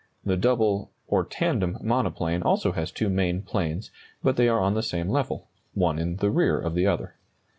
The double (or tandem) monoplane also has two main planes, but they are on the same level, one in the rear of the other.